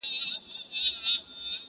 o د آهنگر يو ټک ، دزرگر سل ټکه٫